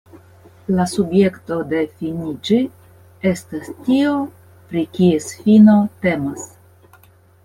La subjekto de finiĝi estas tio, pri kies fino temas.